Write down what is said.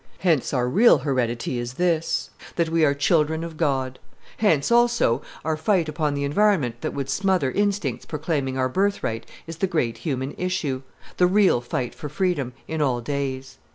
Hence our real heredity is this, that we are children of God. Hence, also, our fight upon the environment that would smother instincts proclaiming our birthright is the great human issue, the real fight for freedom, in all days.